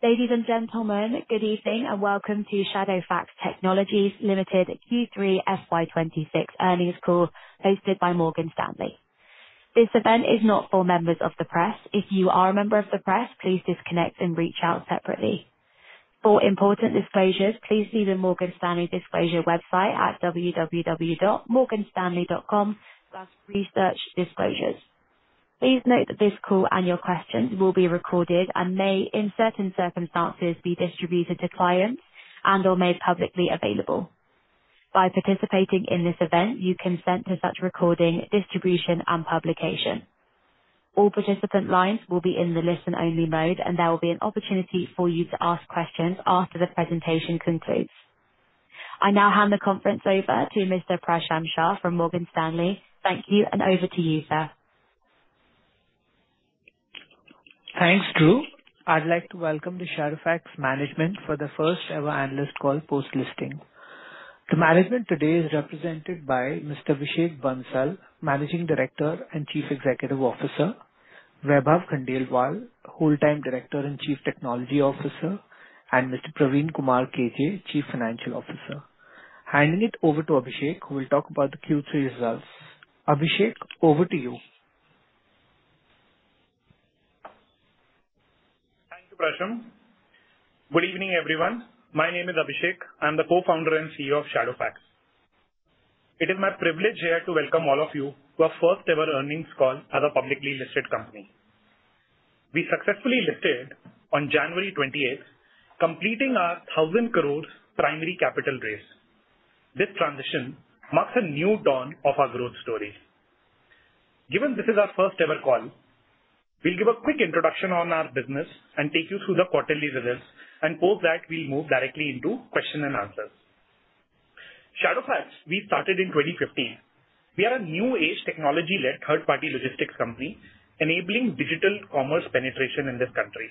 Ladies and gentlemen, good evening, and welcome to Shadowfax Technologies Limited Q3 FY 2026 earnings call hosted by Morgan Stanley. This event is not for members of the press. If you are a member of the press, please disconnect and reach out separately. For important disclosures, please see the www.morganstanley.com/researchdisclosures website. Please note that this call and your questions will be recorded and may, in certain circumstances, be distributed to clients and/or made publicly available. By participating in this event, you consent to such recording, distribution, and publication. All participant lines will be in the listen-only mode, and there will be an opportunity for you to ask questions after the presentation concludes. I now hand the conference over to Mr. Prashant Shah from Morgan Stanley. Thank you, and over to you, sir. Thanks, Drew. I'd like to welcome the Shadowfax management for the first-ever analyst call post-listing. The management today is represented by Mr. Abhishek Bansal, Managing Director and Chief Executive Officer, Vaibhav Khandelwal, Whole-time Director and Chief Technology Officer, and Mr. Praveen Kumar KJ, Chief Financial Officer. Handing it over to Abhishek, who will talk about the Q3 results. Abhishek, over to you. Thank you, Prashant. Good evening, everyone. My name is Abhishek. I'm the co-founder and CEO of Shadowfax. It is my privilege here to welcome all of you to our first-ever earnings call as a publicly listed company. We successfully listed on January 28th, completing our 1,000 crores primary capital raise. This transition marks a new dawn of our growth story. Given this is our first-ever call, we'll give a quick introduction on our business and take you through the quarterly results, and post that, we'll move directly into question and answers. Shadowfax, we started in 2015. We are a new age technology-led third-party logistics company enabling digital commerce penetration in this country.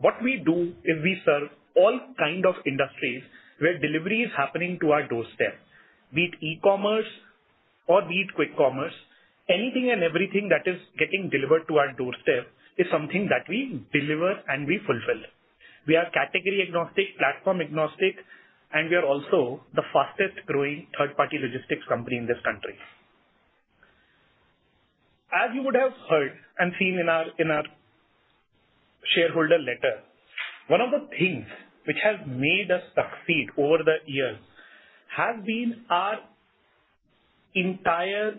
What we do is we serve all kind of industries where delivery is happening to our doorstep, be it e-commerce or be it quick commerce. Anything and everything that is getting delivered to our doorstep is something that we deliver and we fulfill. We are category agnostic, platform agnostic, and we are also the fastest growing third-party logistics company in this country. As you would have heard and seen in our shareholder letter, one of the things which has made us succeed over the years has been our entire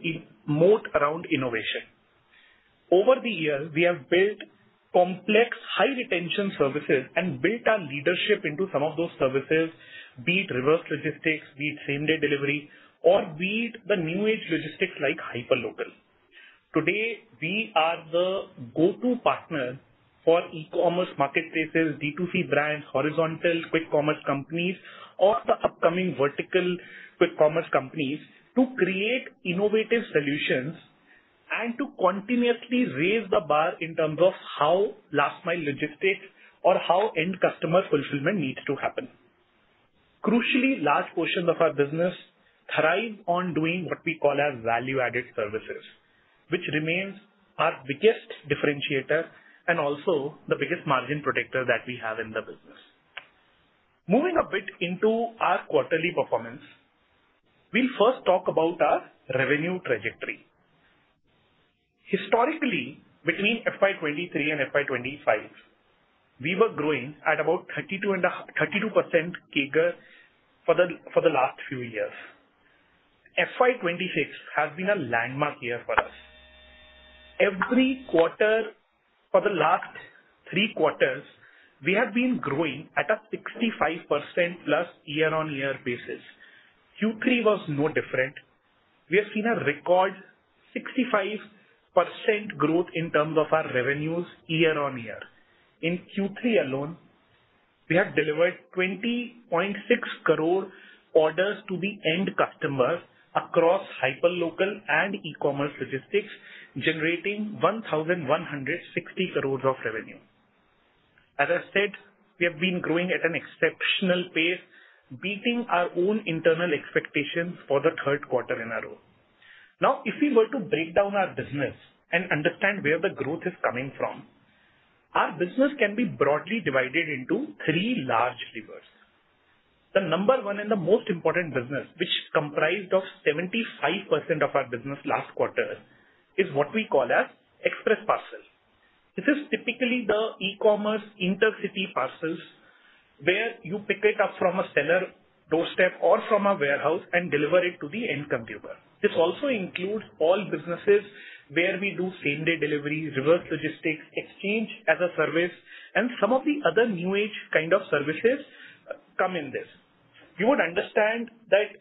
moat around innovation. Over the years, we have built complex high-retention services and built our leadership into some of those services, be it reverse logistics, be it same-day delivery or be it the new age logistics like hyperlocal. Today, we are the go-to partner for e-commerce marketplaces, D2C brands, horizontal quick commerce companies or the upcoming vertical quick commerce companies to create innovative solutions and to continuously raise the bar in terms of how last mile logistics or how end customer fulfillment needs to happen. Crucially, large portions of our business thrive on doing what we call as value-added services, which remains our biggest differentiator and also the biggest margin protector that we have in the business. Moving a bit into our quarterly performance, we will first talk about our revenue trajectory. Historically, between FY 2023 and FY 2025, we were growing at about 32% CAGR for the last few years. FY 2026 has been a landmark year for us. Every quarter for the last three quarters, we have been growing at a 65% plus YoY basis. Q3 was no different. We have seen a record 65% growth in terms of our revenues YoY. In Q3 alone, we have delivered 20.6 crore orders to the end customers across hyperlocal and e-commerce logistics, generating 1,160 crores of revenue. As I said, we have been growing at an exceptional pace, beating our own internal expectations for the third quarter in a row. If we were to break down our business and understand where the growth is coming from, our business can be broadly divided into three large rivers. The number one and the most important business, which comprised of 75% of our business last quarter, is what we call as express parcel. This is typically the e-commerce intercity parcels where you pick it up from a seller doorstep or from a warehouse and deliver it to the end consumer. This also includes all businesses where we do same-day delivery, reverse logistics, exchange-as-a-service, and some of the other new age kind of services come in this. You would understand that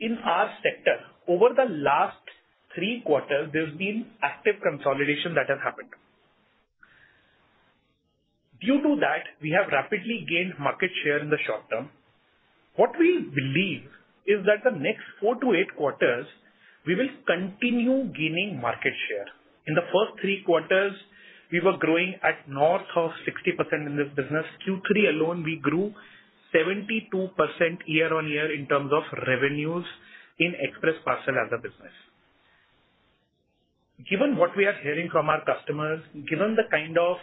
in our sector over the last three quarters, there's been active consolidation that has happened. Due to that, we have rapidly gained market share in the short term. What we believe is that the next four to eight quarters, we will continue gaining market share. In the first three quarters, we were growing at north of 60% in this business. Q3 alone, we grew 72% YoY in terms of revenues in express parcel as a business. Given what we are hearing from our customers, given the kind of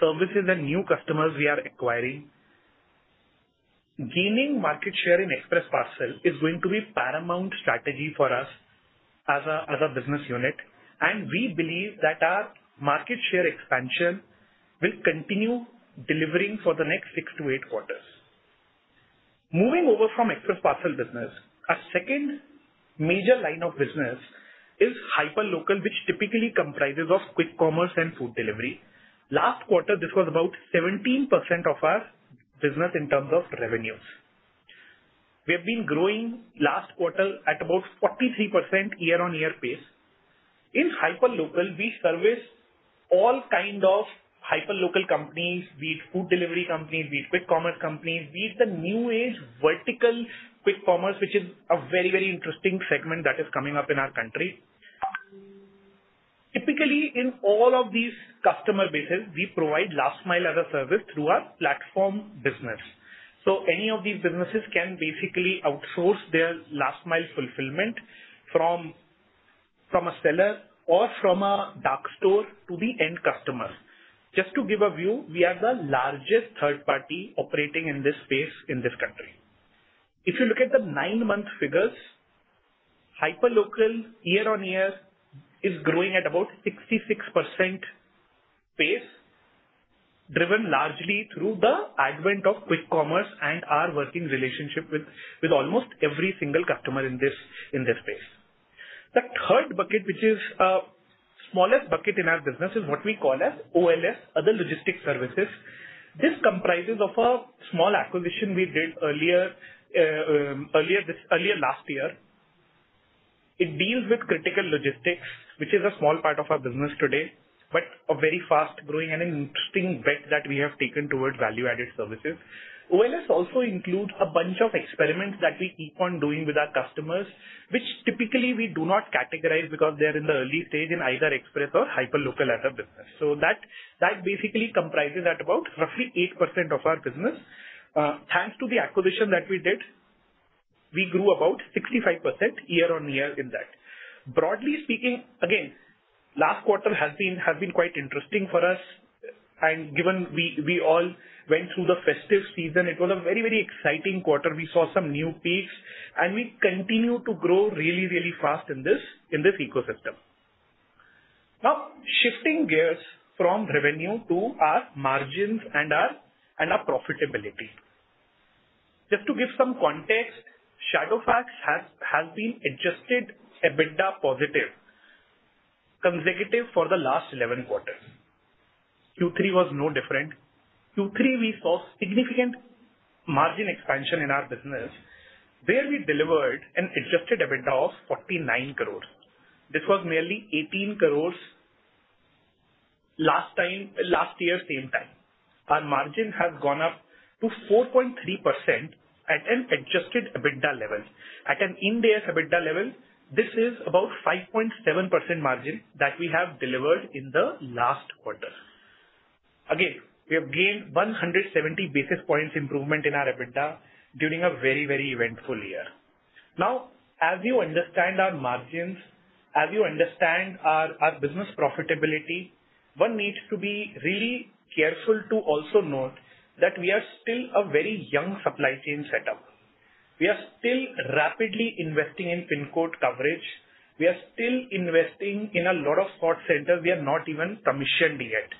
services and new customers we are acquiring, gaining market share in express parcel is going to be paramount strategy for us as a business unit. We believe that our market share expansion will continue delivering for the next six to eight quarters. Moving over from express parcel business, our second major line of business is hyperlocal, which typically comprises of quick commerce and food delivery. Last quarter, this was about 17% of our business in terms of revenues. We have been growing last quarter at about 43% YoY pace. In hyperlocal, we service all kind of hyperlocal companies, be it food delivery companies, be it quick commerce companies, be it the new age vertical quick commerce, which is a very interesting segment that is coming up in our country. Typically, in all of these customer bases, we provide last mile as a service through our platform business. Any of these businesses can basically outsource their last mile fulfillment from a seller or from a dark store to the end customer. Just to give a view, we are the largest third party operating in this space in this country. If you look at the nine-month figures, hyperlocal year-on-year is growing at about 66% pace, driven largely through the advent of quick commerce and our working relationship with almost every single customer in this space. The third bucket, which is smallest bucket in our business, is what we call as OLS, other logistic services. This comprises of a small acquisition we did earlier last year. It deals with Criticalog, which is a small part of our business today, but a very fast-growing and an interesting bet that we have taken towards value-added services. OLS also includes a bunch of experiments that we keep on doing with our customers, which typically we do not categorize because they're in the early stage in either express or hyperlocal as a business. That basically comprises at about roughly 8% of our business. Thanks to the acquisition that we did, we grew about 65% year-on-year in that. Broadly speaking, again, last quarter has been quite interesting for us, and given we all went through the festive season, it was a very exciting quarter. We saw some new peaks, and we continue to grow really fast in this ecosystem. Shifting gears from revenue to our margins and our profitability. Just to give some context, Shadowfax has been adjusted EBITDA positive consecutive for the last 11 quarters. Q3 was no different. Q3, we saw significant margin expansion in our business where we delivered an adjusted EBITDA of 49 crores. This was merely 18 crores last year same time. Our margin has gone up to 4.3% at an adjusted EBITDA level, at an India EBITDA level. This is about 5.7% margin that we have delivered in the last quarter. We have gained 170 basis points improvement in our EBITDA during a very eventful year. As you understand our margins, as you understand our business profitability, one needs to be really careful to also note that we are still a very young supply chain setup. We are still rapidly investing in pin code coverage. We are still investing in a lot of sort centers we have not even commissioned yet.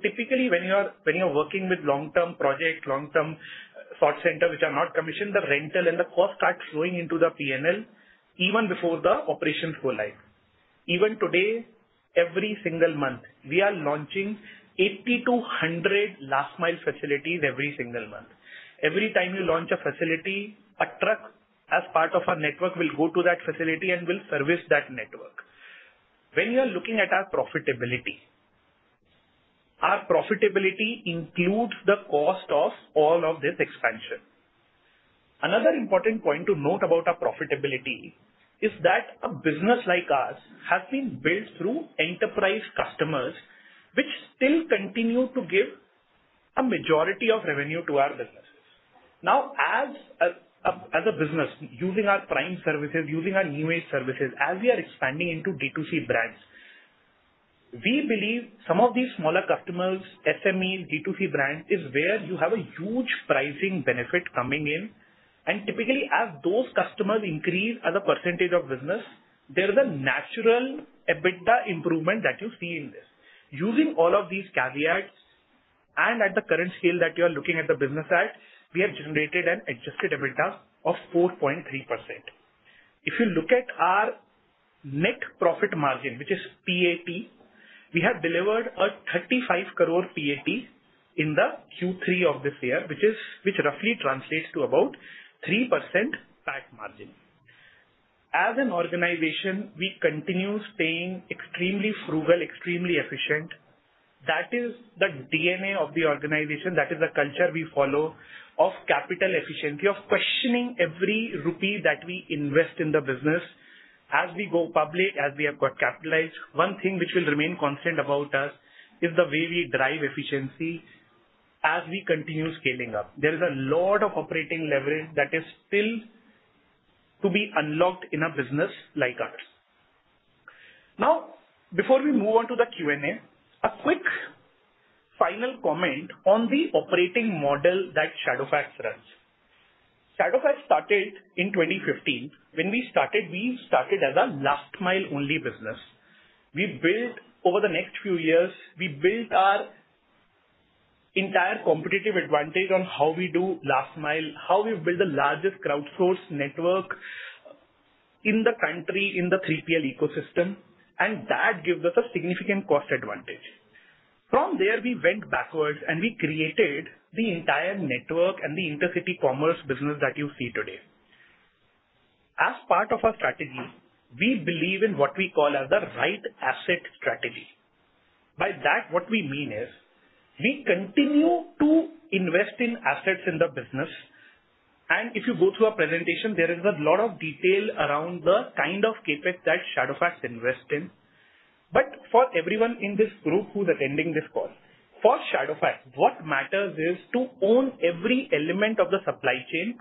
Typically, when you're working with long-term project, long-term sort centers which are not commissioned, the rental and the cost starts flowing into the P&L even before the operations go live. Even today, every single month, we are launching 80 to 100 last mile facilities every single month. Every time we launch a facility, a truck as part of our network will go to that facility and will service that network. When you are looking at our profitability, our profitability includes the cost of all of this expansion. Another important point to note about our profitability is that a business like ours has been built through enterprise customers, which still continue to give a majority of revenue to our businesses. As a business using our Prime services, using our new age services, as we are expanding into D2C brands, we believe some of these smaller customers, SMEs, D2C brand, is where you have a huge pricing benefit coming in. Typically, as those customers increase as a percentage of business, there is a natural EBITDA improvement that you see in this. Using all of these caveats and at the current scale that you are looking at the business at, we have generated an adjusted EBITDA of 4.3%. If you look at our net profit margin, which is PAT, we have delivered an 35 crore PAT in the Q3 of this year, which roughly translates to about 3% PAT margin. As an organization, we continue staying extremely frugal, extremely efficient. That is the DNA of the organization. That is the culture we follow of capital efficiency, of questioning every rupee that we invest in the business. As we go public, as we have got capitalized, one thing which will remain constant about us is the way we drive efficiency. As we continue scaling up, there is a lot of operating leverage that is still to be unlocked in a business like ours. Before we move on to the Q&A, a quick final comment on the operating model that Shadowfax runs. Shadowfax started in 2015. When we started, we started as a last mile only business. Over the next few years, we built our entire competitive advantage on how we do last mile, how we build the largest crowdsourced network in the country, in the 3PL ecosystem, that gives us a significant cost advantage. From there, we went backwards, we created the entire network and the intercity commerce business that you see today. As part of our strategy, we believe in what we call as the right asset strategy. By that, what we mean is, we continue to invest in assets in the business, and if you go through our presentation, there is a lot of detail around the kind of CapEx that Shadowfax invests in. For everyone in this group who's attending this call, for Shadowfax, what matters is to own every element of the supply chain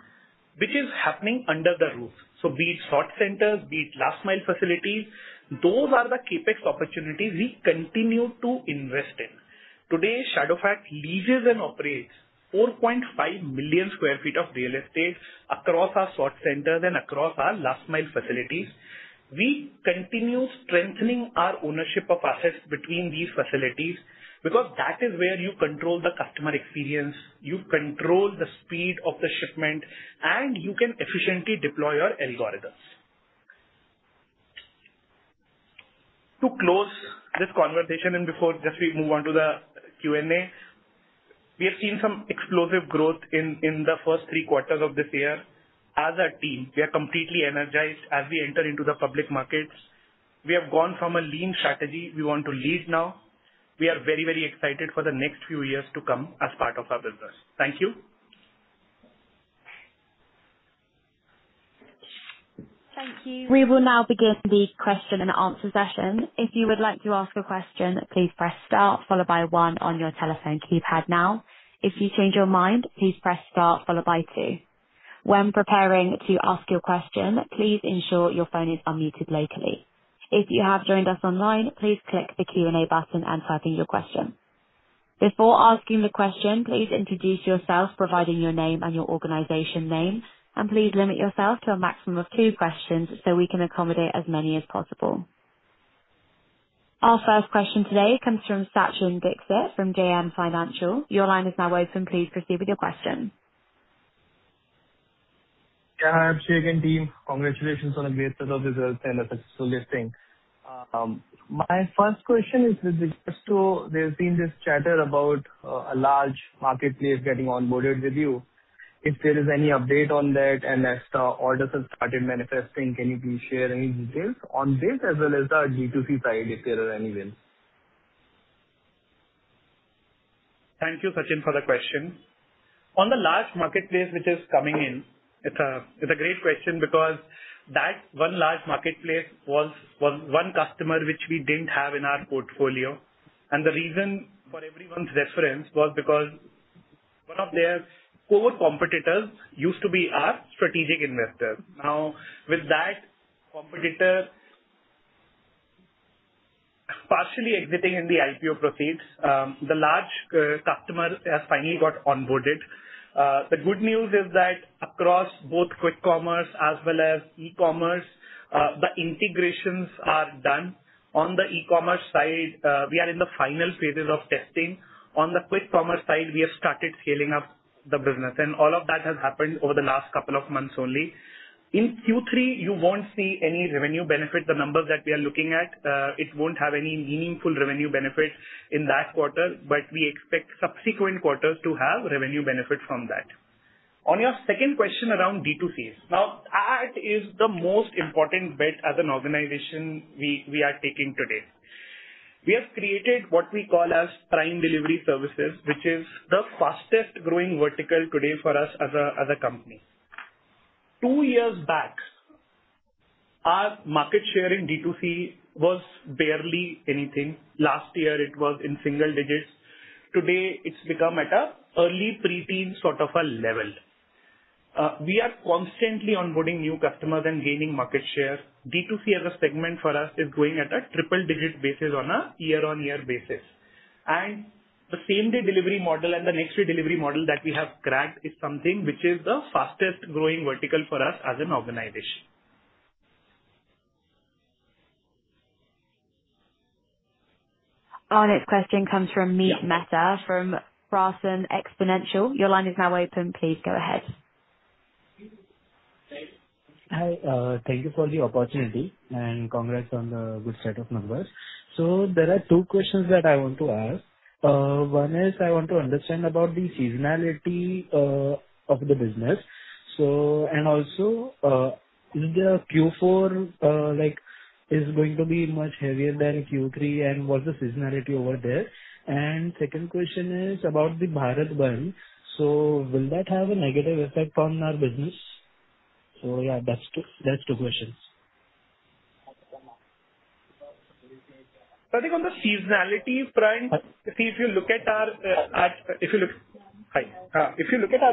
which is happening under the roof. Be it sort centers, be it last mile facilities, those are the CapEx opportunities we continue to invest in. Today, Shadowfax leases and operates 4.5 million square feet of real estate across our sort centers and across our last mile facilities. We continue strengthening our ownership of assets between these facilities because that is where you control the customer experience, you control the speed of the shipment, and you can efficiently deploy your algorithms. To close this conversation and before we move on to the Q&A, we have seen some explosive growth in the first three quarters of this year. As a team, we are completely energized as we enter into the public markets. We have gone from a lean strategy, we want to lead now. We are very excited for the next few years to come as part of our business. Thank you. Thank you. We will now begin the question and answer session. If you would like to ask a question, please press star followed by 1 on your telephone keypad now. If you change your mind, please press star followed by 2. When preparing to ask your question, please ensure your phone is unmuted locally. If you have joined us online, please click the Q&A button and type in your question. Before asking the question, please introduce yourself, providing your name and your organization name, and please limit yourself to a maximum of two questions so we can accommodate as many as possible. Our first question today comes from Sachin Dixit from JM Financial. Your line is now open. Please proceed with your question. Hi, Sachin team. Congratulations on a great set of results and a successful listing. My first question is with regards to there's been this chatter about a large marketplace getting onboarded with you. If there is any update on that and as the orders have started manifesting, can you please share any details on this as well as our D2C side, if there are any wins? Thank you, Sachin, for the question. On the large marketplace which is coming in, it's a great question because that one large marketplace was one customer which we didn't have in our portfolio. The reason for everyone's reference was because one of their core competitors used to be our strategic investor. With that competitor partially exiting in the IPO proceeds, the large customer has finally got onboarded. The good news is that across both quick commerce as well as e-commerce, the integrations are done. On the e-commerce side, we are in the final stages of testing. On the quick commerce side, we have started scaling up the business, and all of that has happened over the last couple of months only. In Q3, you won't see any revenue benefit. The numbers that we are looking at, it won't have any meaningful revenue benefit in that quarter, but we expect subsequent quarters to have revenue benefit from that. On your second question around D2C. That is the most important bet as an organization we are taking today. We have created what we call as prime delivery services, which is the fastest growing vertical today for us as a company. Two years back, our market share in D2C was barely anything. Last year it was in single digits. Today it's become at a early pre-teen sort of a level. We are constantly onboarding new customers and gaining market share. D2C as a segment for us is growing at a triple digit basis on a year-on-year basis. The same-day delivery model and the next-day delivery model that we have cracked is something which is the fastest growing vertical for us as an organization. Our next question comes from Meet Mehta from Frozen Exponential. Your line is now open. Please go ahead. Hi. Hi. Thank you for the opportunity and congrats on the good set of numbers. There are two questions that I want to ask. One is I want to understand about the seasonality of the business. Also, is the Q4 is going to be much heavier than Q3 and what's the seasonality over there? Second question is about the Bharat Bandh. Will that have a negative effect on our business? Yeah, that's two questions. I think on the seasonality front, if you look at our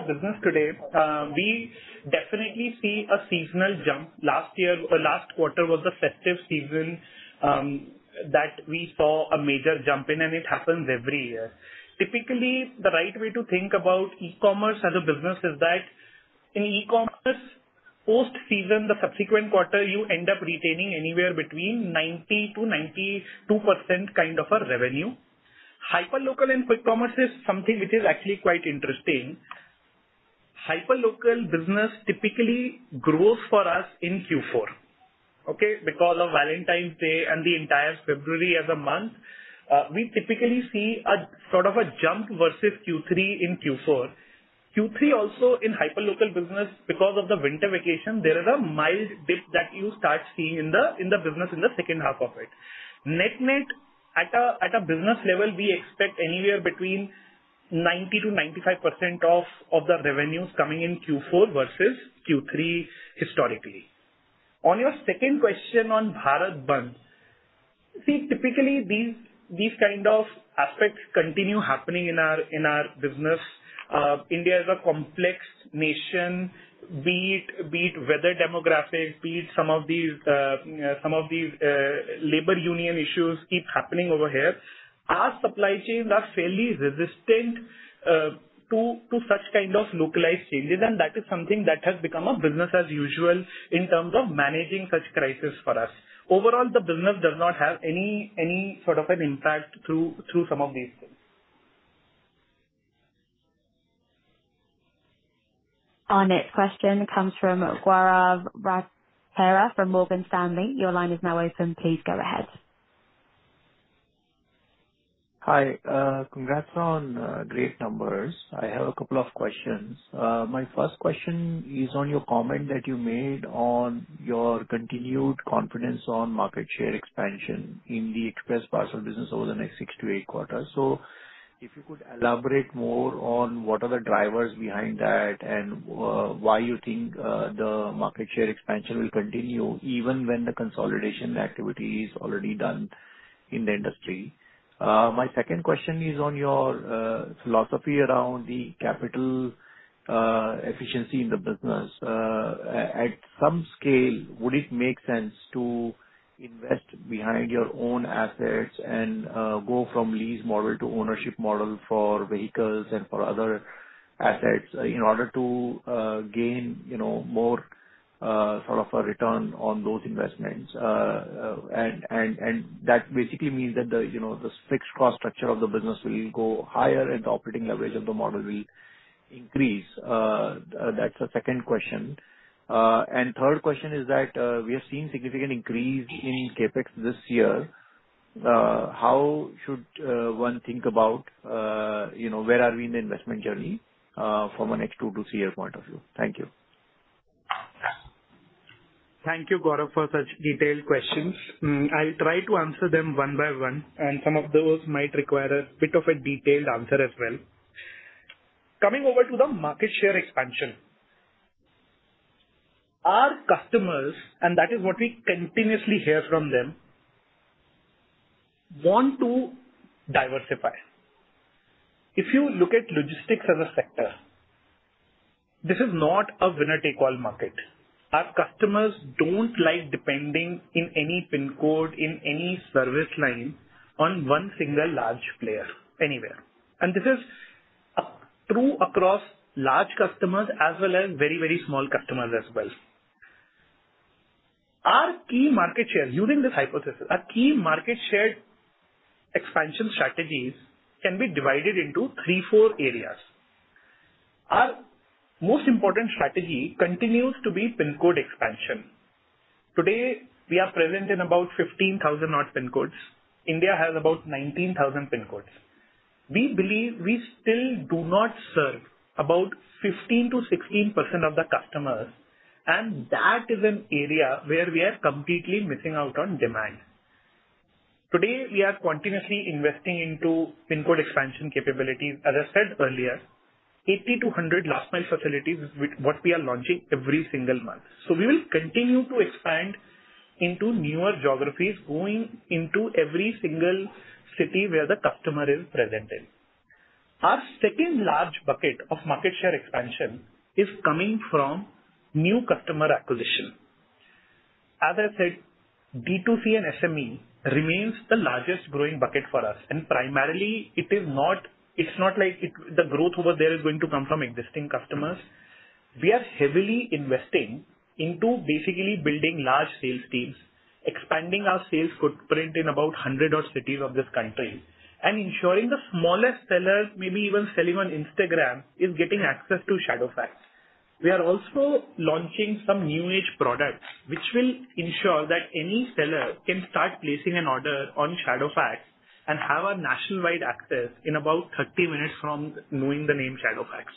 business today, we definitely see a seasonal jump. Last quarter was the festive season that we saw a major jump in, and it happens every year. Typically, the right way to think about e-commerce as a business is that in e-commerce post-season, the subsequent quarter, you end up retaining anywhere between 90%-92% kind of a revenue. Hyperlocal and quick commerce is something which is actually quite interesting. Hyperlocal business typically grows for us in Q4. Okay? Because of Valentine's Day and the entire February as a month, we typically see a sort of a jump versus Q3 in Q4. Q3 also in hyperlocal business because of the winter vacation, there is a mild dip that you start seeing in the business in the second half of it. Net net, at a business level, we expect anywhere between 90%-95% of the revenues coming in Q4 versus Q3 historically. On your second question on Bharat Bandh, see, typically these kind of aspects continue happening in our business. India is a complex nation, be it weather demographic, be it some of these labor union issues keep happening over here. Our supply chains are fairly resistant to such kind of localized changes, and that is something that has become a business as usual in terms of managing such crisis for us. Overall, the business does not have any sort of an impact through some of these things. Our next question comes from Gaurav Rateria from Morgan Stanley. Your line is now open. Please go ahead. Hi. Congrats on great numbers. I have a couple of questions. My first question is on your comment that you made on your continued confidence on market share expansion in the express parcel business over the next six to eight quarters. If you could elaborate more on what are the drivers behind that and why you think the market share expansion will continue even when the consolidation activity is already done in the industry. My second question is on your philosophy around the capital efficiency in the business. At some scale, would it make sense to invest behind your own assets and go from lease model to ownership model for vehicles and for other assets in order to gain more sort of a return on those investments? That basically means that the fixed cost structure of the business will go higher and the operating leverage of the model will increase. That's the second question. Third question is that we are seeing significant increase in CapEx this year. How should one think about where are we in the investment journey from a next two to three year point of view? Thank you. Thank you, Gaurav, for such detailed questions. I'll try to answer them one by one, some of those might require a bit of a detailed answer as well. Coming over to the market share expansion. Our customers, and that is what we continuously hear from them, want to diversify. If you look at logistics as a sector, this is not a winner-take-all market. Our customers don't like depending in any pin code, in any service line on one single large player anywhere. This is true across large customers as well as very small customers as well. Our key market share using this hypothesis, our key market share expansion strategies can be divided into three, four areas. Our most important strategy continues to be pin code expansion. Today, we are present in about 15,000 odd pin codes. India has about 19,000 pin codes. We believe we still do not serve about 15%-16% of the customers, and that is an area where we are completely missing out on demand. Today, we are continuously investing into pin code expansion capabilities. As I said earlier, 8,200 last mile facilities with what we are launching every single month. We will continue to expand into newer geographies going into every single city where the customer is presented. Our second large bucket of market share expansion is coming from new customer acquisition. As I said, D2C and SME remains the largest growing bucket for us, and primarily, it's not like the growth over there is going to come from existing customers. We are heavily investing into basically building large sales teams, expanding our sales footprint in about 100 odd cities of this country, and ensuring the smallest sellers, maybe even selling on Instagram, is getting access to Shadowfax. We are also launching some new age products, which will ensure that any seller can start placing an order on Shadowfax and have a nationwide access in about 30 minutes from knowing the name Shadowfax.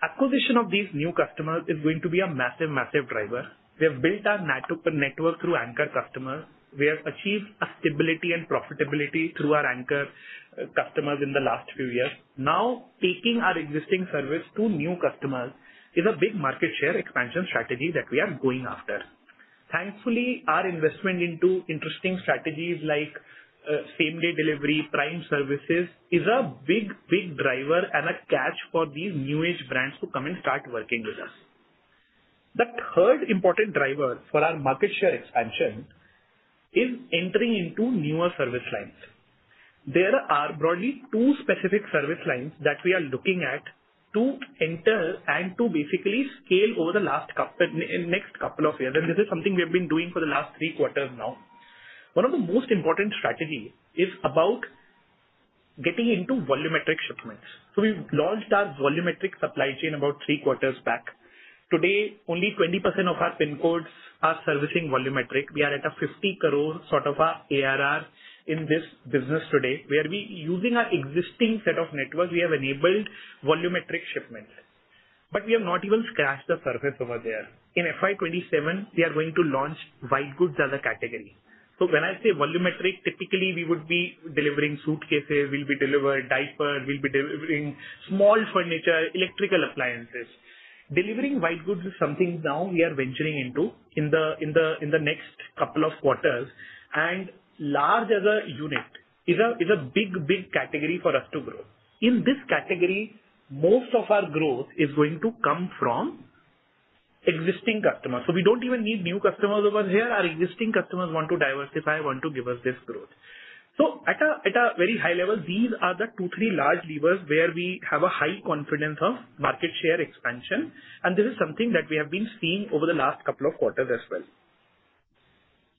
Acquisition of these new customers is going to be a massive driver. We have built our network through anchor customers. We have achieved a stability and profitability through our anchor customers in the last few years. Now, taking our existing service to new customers is a big market share expansion strategy that we are going after. Thankfully, our investment into interesting strategies like same-day delivery, Prime services, is a big driver and a catch for these new-age brands to come and start working with us. The third important driver for our market share expansion is entering into newer service lines. There are broadly two specific service lines that we are looking at to enter and to basically scale over the next couple of years. This is something we have been doing for the last three quarters now. One of the most important strategy is about getting into volumetric shipments. We've launched our volumetric supply chain about three quarters back. Today, only 20% of our PIN codes are servicing volumetric. We are at an 50 crore sort of ARR in this business today, where we, using our existing set of networks, we have enabled volumetric shipments. We have not even scratched the surface over there. In FY 2027, we are going to launch white goods as a category. When I say volumetric, typically we would be delivering suitcases, we'll be delivering diapers, we'll be delivering small furniture, electrical appliances. Delivering white goods is something now we are venturing into in the next couple of quarters. Large as a unit is a big category for us to grow. In this category, most of our growth is going to come from existing customers. We don't even need new customers over here. Our existing customers want to diversify and want to give us this growth. At a very high level, these are the two, three large levers where we have a high confidence of market share expansion, and this is something that we have been seeing over the last couple of quarters as well.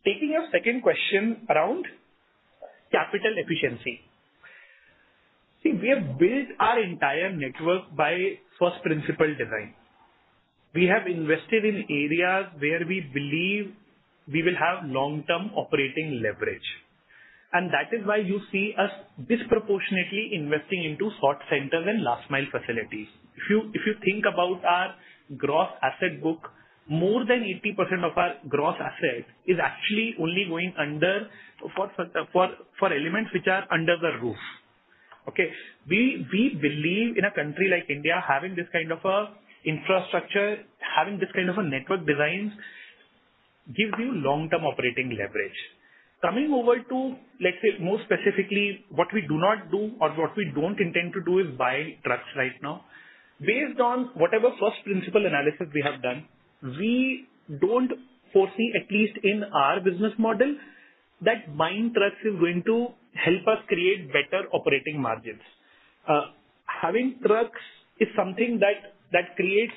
Taking your second question around capital efficiency. We have built our entire network by first principle design. We have invested in areas where we believe we will have long-term operating leverage. That is why you see us disproportionately investing into sort centers and last mile facilities. If you think about our gross asset book, more than 80% of our gross asset is actually only going for elements which are under the roof. Okay. We believe in a country like India, having this kind of infrastructure, having this kind of a network design, gives you long-term operating leverage. Coming over to, let's say, more specifically, what we do not do or what we don't intend to do is buy trucks right now. Based on whatever first principle analysis we have done, we don't foresee, at least in our business model, that buying trucks is going to help us create better operating margins. Having trucks is something that creates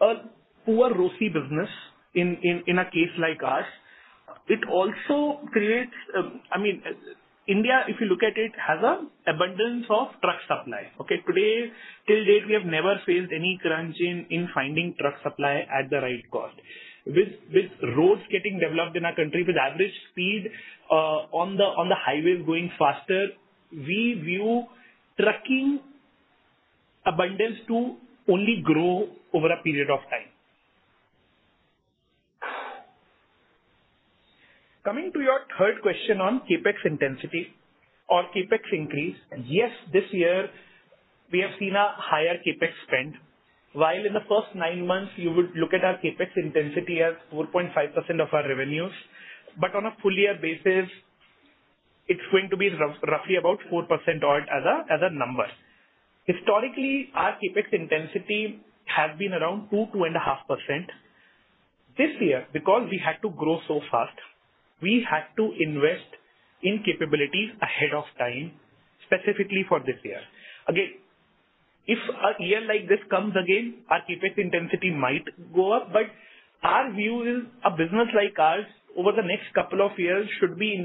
a poor ROCE business in a case like ours. India, if you look at it, has an abundance of truck supply. Okay. Today, till date, we have never faced any crunch in finding truck supply at the right cost. With roads getting developed in our country, with average speed on the highways going faster, we view trucking abundance to only grow over a period of time. Coming to your third question on CapEx intensity or CapEx increase. Yes, this year we have seen a higher CapEx spend, while in the first nine months you would look at our CapEx intensity as 4.5% of our revenues, but on a full year basis, it's going to be roughly about 4% odd as a number. Historically, our CapEx intensity has been around 2%-2.5%. This year, because we had to grow so fast, we had to invest in capabilities ahead of time, specifically for this year. Again, if a year like this comes again, our CapEx intensity might go up, but our view is a business like ours over the next couple of years should be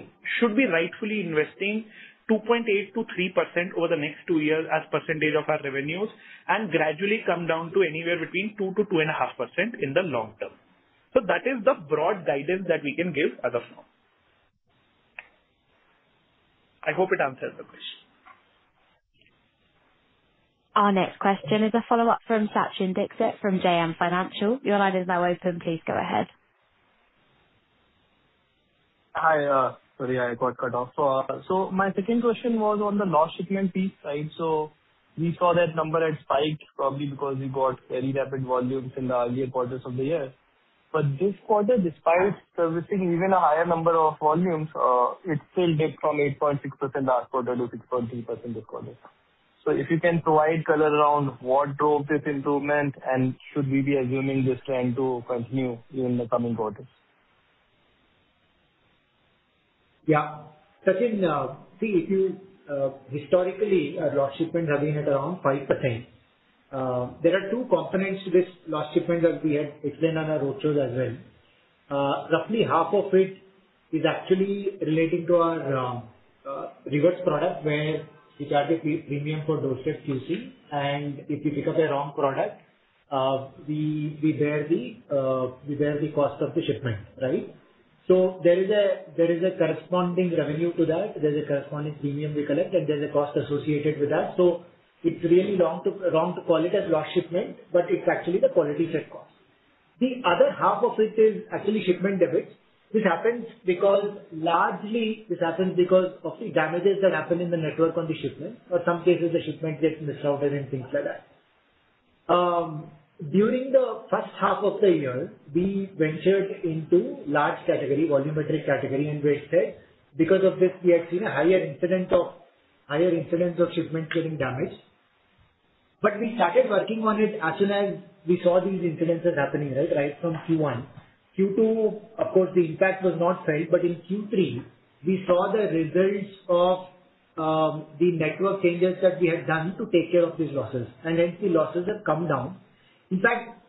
rightfully investing 2.8%-3% over the next two years as percentage of our revenues, and gradually come down to anywhere between 2%-2.5% in the long term. That is the broad guidance that we can give as of now. I hope it answers the question. Our next question is a follow-up from Sachin Dixit from JM Financial. Your line is now open. Please go ahead. Hi. Sorry, I got cut off. My second question was on the lost shipment piece. We saw that number had spiked probably because we got very rapid volumes in the earlier quarters of the year. This quarter, despite servicing even a higher number of volumes, it still dipped from 8.6% last quarter to 6.3% this quarter. If you can provide color around what drove this improvement, and should we be assuming this trend to continue even in the coming quarters? Yeah. Sachin, historically, our lost shipments have been at around 5%. There are two components to this lost shipment that we had explained on our roadshow as well. Roughly half of it is actually relating to our reverse product where we charge a premium for doorstep QC. If we pick up a wrong product, we bear the cost of the shipment. Right? There is a corresponding revenue to that, there's a corresponding premium we collect, and there's a cost associated with that. It's really wrong to call it a lost shipment, but it's actually the quality check cost. The other half of it is actually shipment debits, which happens because largely this happens because of the damages that happen in the network on the shipment, or some cases the shipment gets misrouted and things like that. During the first half of the year, we ventured into large category, volumetric category, and wasted. Because of this, we had seen a higher incidence of shipment getting damaged. We started working on it as soon as we saw these incidences happening, right from Q1. Q2, of course, the impact was not felt, in Q3, we saw the results of the network changes that we had done to take care of these losses, hence the losses have come down. In fact,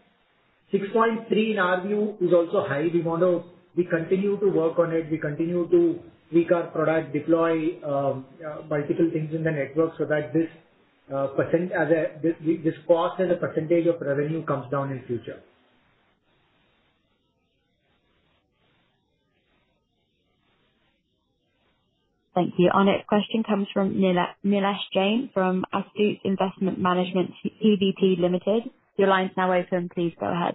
6.3% in our view is also high. We continue to work on it, we continue to tweak our product, deploy multiple things in the network so that this cost as a percentage of revenue comes down in future. Thank you. Our next question comes from Nilesh Jain, from Astute Investment Management Pvt Ltd. Your line is now open. Please go ahead.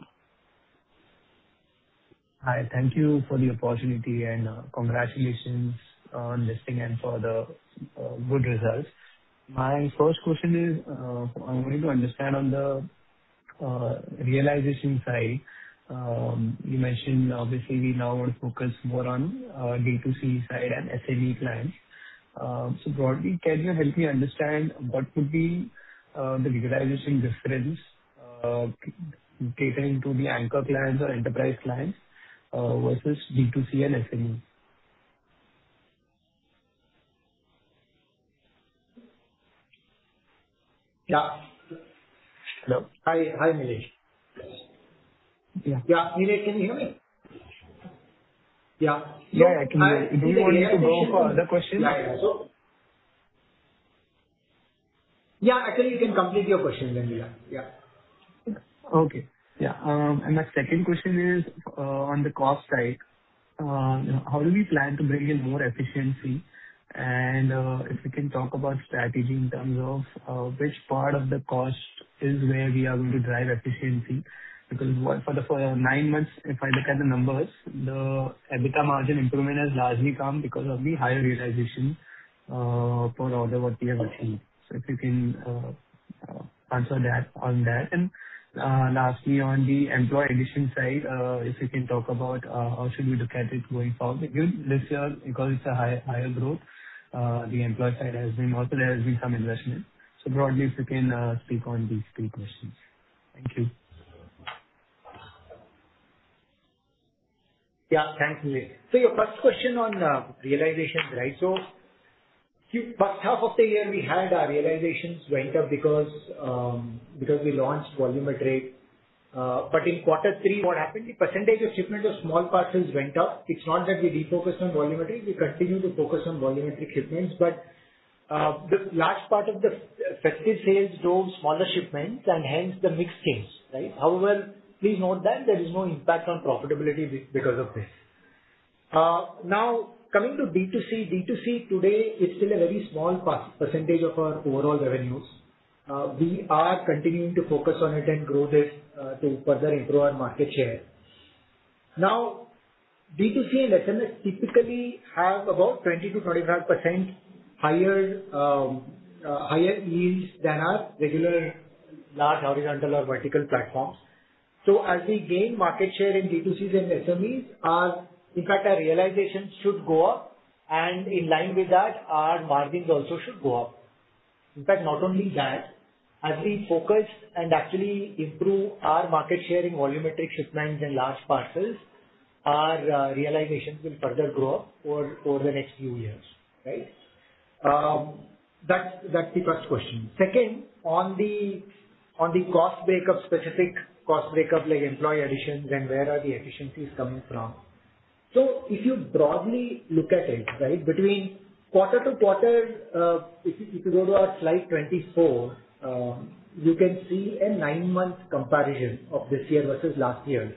Hi, thank you for the opportunity and congratulations on listing and for the good results. My first question is, I'm going to understand on the realization side. You mentioned obviously we now want to focus more on D2C side and SME clients. Broadly, can you help me understand what could be the realization difference catering to the anchor clients or enterprise clients, versus D2C and SME? Yeah. Hello. Hi, Nilesh. Yeah. Yeah, Nilesh, can you hear me? Yeah. Yeah, I can hear you. Do you want me to go for other questions? Yeah. Actually, you can complete your question, then we are Yeah. Okay. Yeah. My second question is, on the cost side, how do we plan to bring in more efficiency? If we can talk about strategy in terms of which part of the cost is where we are going to drive efficiency. For the 9 months, if I look at the numbers, the EBITDA margin improvement has largely come because of the higher realization per order what we have achieved. If you can answer that on that. Lastly, on the employee addition side, if you can talk about how should we look at it going forward? This year, because it's a higher growth, the employee side has been. Also, there has been some investment. Broadly, if you can speak on these 3 questions. Thank you. Yeah. Thanks, Nilesh. Your first question on realization, right. First half of the year, we had our realizations went up because we launched volumetric. In quarter 3, what happened, the percentage of shipment of small parcels went up. It's not that we refocused on volumetric. We continue to focus on volumetric shipments, but the large part of the festive sales drove smaller shipments and hence the mix change. Right? However, please note that there is no impact on profitability because of this. Coming to D2C. D2C today is still a very small percentage of our overall revenues. We are continuing to focus on it and grow this to further improve our market share. D2C and SMEs typically have about 20%-25% higher yields than our regular large horizontal or vertical platforms. As we gain market share in D2C and SMEs, in fact, our realizations should go up and in line with that, our margins also should go up. In fact, not only that, as we focus and actually improve our market share in volumetric shipments and large parcels, our realizations will further grow up over the next few years. Right? That's the first question. Second, on the cost breakup, specific cost breakup like employee additions and where are the efficiencies coming from. If you broadly look at it, between quarter to quarter, if you go to our slide 24, you can see a nine-month comparison of this year versus last year.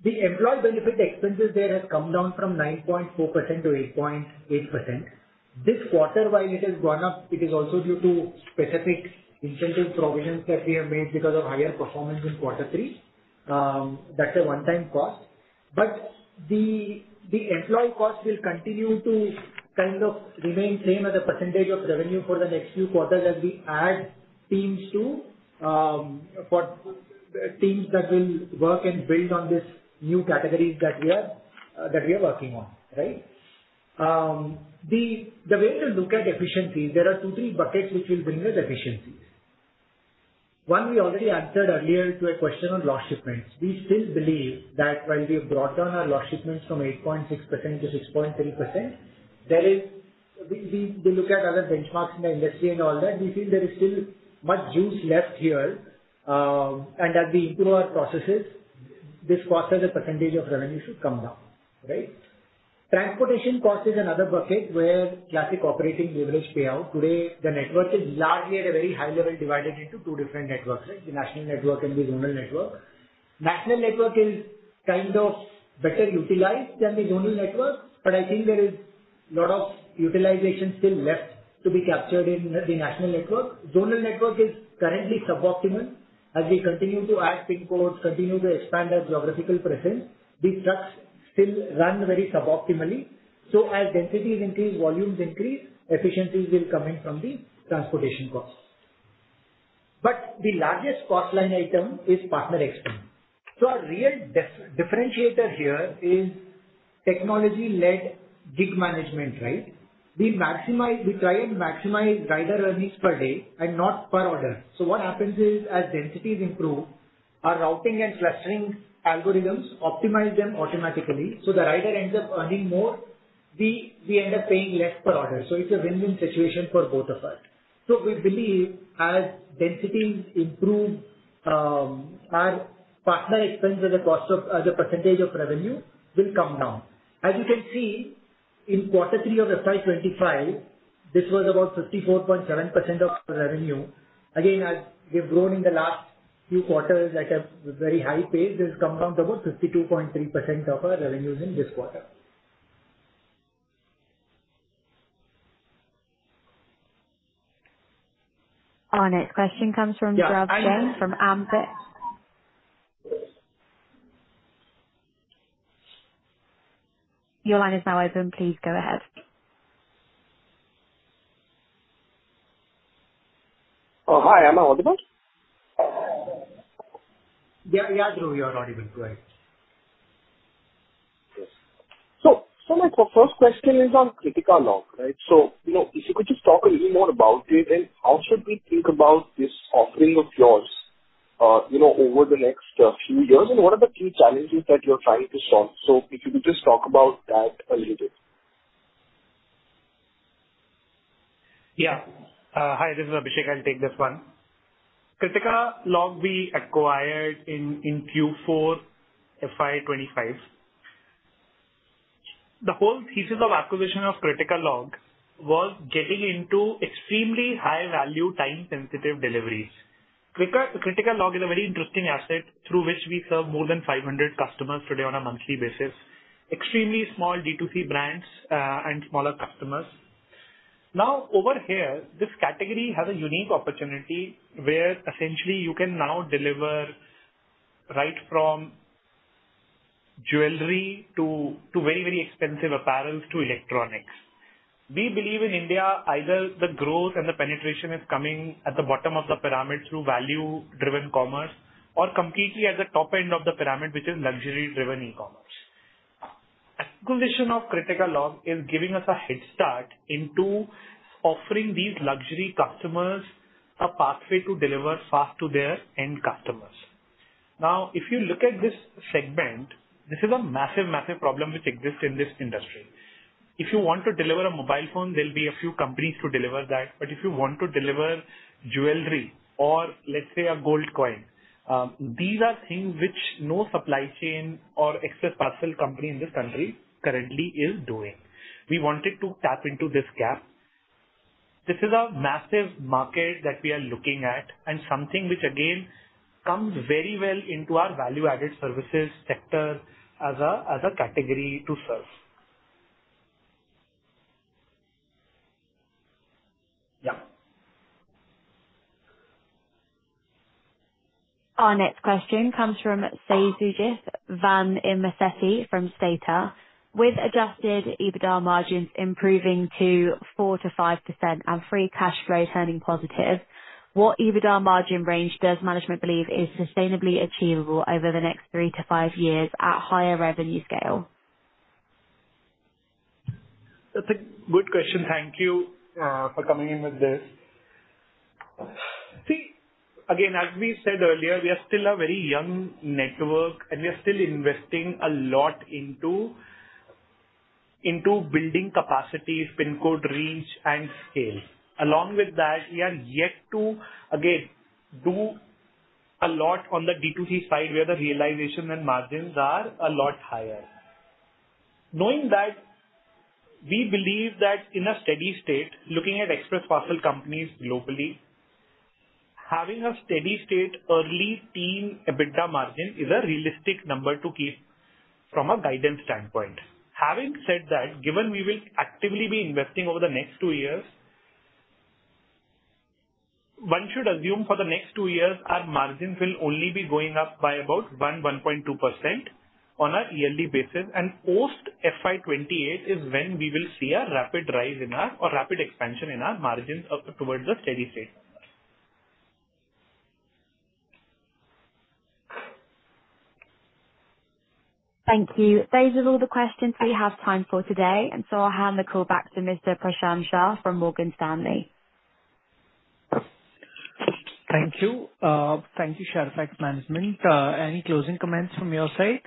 The employee benefit expenses there has come down from 9.4% to 8.8%. This quarter while it has gone up, it is also due to specific incentive provisions that we have made because of higher performance in quarter three. That's a one-time cost, but the employee cost will continue to kind of remain same as a percentage of revenue for the next few quarters as we add teams that will work and build on these new categories that we are working on. Right? The way to look at efficiency, there are two, three buckets which will bring us efficiency. One, we already answered earlier to a question on lost shipments. We still believe that while we have brought down our lost shipments from 8.6% to 6.3%, we look at other benchmarks in the industry and all that, we feel there is still much juice left here. As we improve our processes, this cost as a percentage of revenue should come down. Right? Transportation cost is another bucket where classic operating leverage pay out. Today, the network is largely at a very high level, divided into two different networks, right? The national network and the zonal network. National network is kind of better utilized than the zonal network, but I think there is a lot of utilization still left to be captured in the national network. Zonal network is currently suboptimal. As we continue to add PIN codes, continue to expand our geographical presence, the trucks Still run very suboptimally. As densities increase, volumes increase, efficiencies will come in from the transportation cost. The largest cost line item is partner expense. Our real differentiator here is technology-led gig management. We try and maximize rider earnings per day and not per order. What happens is, as densities improve, our routing and clustering algorithms optimize them automatically, the rider ends up earning more, we end up paying less per order. It's a win-win situation for both of us. We believe as densities improve, our partner expense as a percentage of revenue will come down. As you can see, in quarter three of FY 2025, this was about 54.7% of revenue. Again, as we have grown in the last few quarters at a very high pace, this has come down to about 52.3% of our revenues in this quarter. Our next question comes from Dhruv Jain. Yeah. From Ambit. Your line is now open. Please go ahead. Oh, hi. Am I audible? Yeah, Dhruv, you're audible. Go ahead. My first question is on Criticalog, right? If you could just talk a little more about it and how should we think about this offering of yours over the next few years, and what are the key challenges that you are trying to solve? If you could just talk about that a little bit. Yeah. Hi, this is Abhishek. I will take this one. Criticalog we acquired in Q4 FY 2025. The whole thesis of acquisition of Criticalog was getting into extremely high-value, time-sensitive deliveries. Criticalog is a very interesting asset through which we serve more than 500 customers today on a monthly basis, extremely small D2C brands and smaller customers. Over here, this category has a unique opportunity where essentially you can now deliver right from jewelry to very, very expensive apparels to electronics. We believe in India, either the growth and the penetration is coming at the bottom of the pyramid through value-driven commerce or completely at the top end of the pyramid, which is luxury-driven e-commerce. Acquisition of Criticalog is giving us a head start into offering these luxury customers a pathway to deliver fast to their end customers. If you look at this segment, this is a massive problem which exists in this industry. If you want to deliver a mobile phone, there will be a few companies to deliver that. If you want to deliver jewelry or let us say a gold coin, these are things which no supply chain or express parcel company in this country currently is doing. We wanted to tap into this gap. This is a massive market that we are looking at and something which again, comes very well into our value-added services sector as a category to serve. Yeah. Our next question comes from Seyit Oguz Van Imasaci from State Street. With adjusted EBITDA margins improving to 4%-5% and free cash flow turning positive, what EBITDA margin range does management believe is sustainably achievable over the next 3-5 years at higher revenue scale? That's a good question. Thank you for coming in with this. See, again, as we said earlier, we are still a very young network, and we are still investing a lot into building capacity, PIN code reach, and scale. Along with that, we are yet to, again, do a lot on the D2C side where the realization and margins are a lot higher. Knowing that, we believe that in a steady state, looking at express parcel companies globally, having a steady state early teen EBITDA margin is a realistic number to keep from a guidance standpoint. Having said that, given we will actively be investing over the next two years, one should assume for the next two years our margins will only be going up by about 1.2% on a yearly basis, and post FY 2028 is when we will see a rapid rise or rapid expansion in our margins towards a steady state. Thank you. Those are all the questions we have time for today, and so I'll hand the call back to Mr. Prashant Shah from Morgan Stanley. Thank you. Thank you, Shadowfax management. Any closing comments from your side?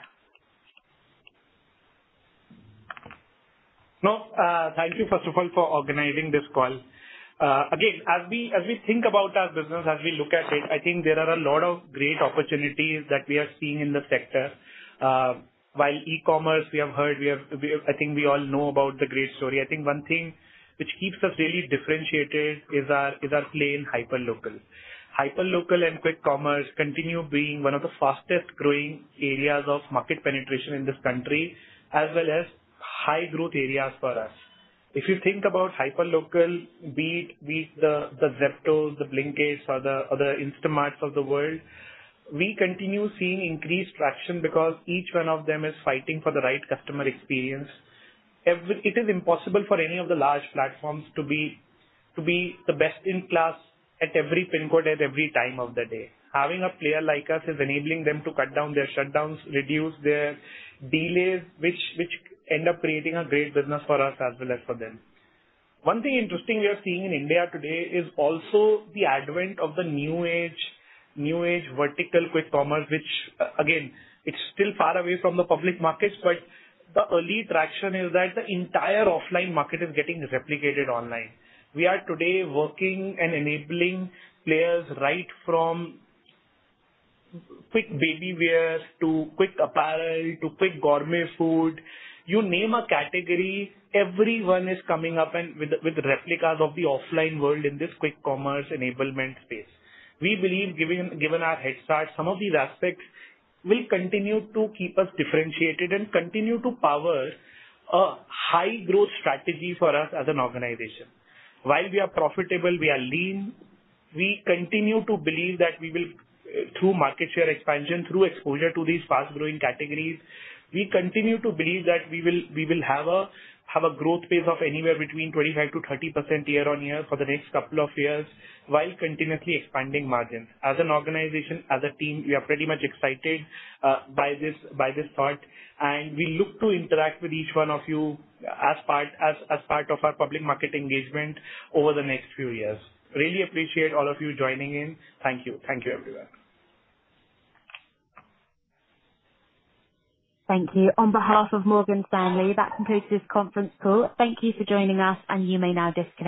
No. Thank you, first of all, for organizing this call. Again, as we think about our business, as we look at it, I think there are a lot of great opportunities that we are seeing in the sector. While e-commerce, we have heard, I think we all know about the great story. I think one thing which keeps us really differentiated is our play in hyperlocal. Hyperlocal and quick commerce continue being one of the fastest-growing areas of market penetration in this country, as well as- High growth areas for us. If you think about hyperlocal, be it the Zepto, the Blinkit or the Instamart of the world, we continue seeing increased traction because each one of them is fighting for the right customer experience. It is impossible for any of the large platforms to be the best in class at every pin code at every time of the day. Having a player like us is enabling them to cut down their shutdowns, reduce their delays, which end up creating a great business for us as well as for them. One thing interesting we are seeing in India today is also the advent of the new age vertical quick commerce, which again, it's still far away from the public markets, but the early traction is that the entire offline market is getting replicated online. We are today working and enabling players right from quick baby wears to quick apparel, to quick gourmet food. You name a category, everyone is coming up and with replicas of the offline world in this quick commerce enablement space. We believe, given our head start, some of these aspects will continue to keep us differentiated and continue to power a high growth strategy for us as an organization. While we are profitable, we are lean. We continue to believe that we will, through market share expansion, through exposure to these fast-growing categories, we continue to believe that we will have a growth pace of anywhere between 25%-30% year-on-year for the next couple of years, while continuously expanding margins. As an organization, as a team, we are pretty much excited by this part. We look to interact with each one of you as part of our public market engagement over the next few years. Really appreciate all of you joining in. Thank you. Thank you, everyone. Thank you. On behalf of Morgan Stanley, that concludes this conference call. Thank you for joining us, and you may now disconnect.